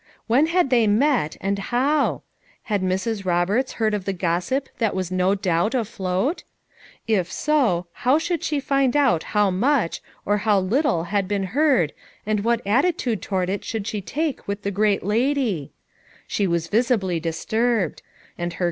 "When had they met, and howl Had Mrs. Roberts heard of the gossip that was no doubt afloat? If so, how should she find out how much, or how little had been heard and what attitude about it should she take with the great lady!